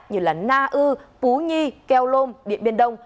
như là na ư pú nhi keo lôm điện biên đông